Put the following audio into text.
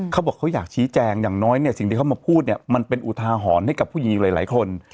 เขาบอกเขาอยากชี้แจงอย่างน้อยเนี่ยสิ่งที่เขามาพูดเนี่ยมันเป็นอุทาหรณ์ให้กับผู้หญิงอีกหลายคน